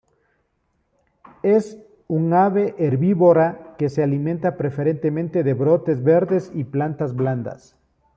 Es un ave herbívora, que se alimenta preferentemente de brotes verdes y plantas blandas.